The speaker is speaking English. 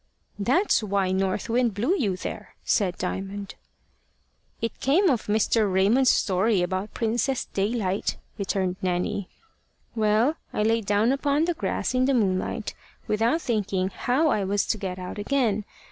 "That's why North Wind blew you there," said Diamond. "It came of Mr. Raymond's story about Princess Daylight," returned Nanny. "Well, I lay down upon the grass in the moonlight without thinking how I was to get out again.